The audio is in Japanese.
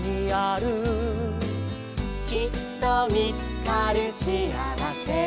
「きっとみつかるシアワセは」